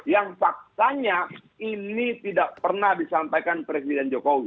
yang faktanya ini tidak pernah disampaikan presiden jokowi